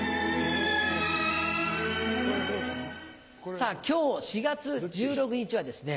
さぁ今日４月１６日はですね